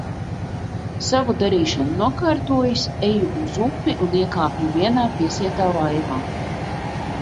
Savu darīšanu nokārtojis, eju uz upi un iekāpju vienā piesietā laivā.